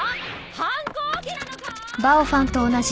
反抗期なのか！？